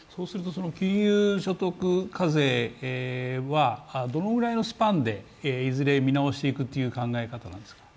金融所得課税はどのぐらいのスパンでいずれ見直していくという考え方なんですか。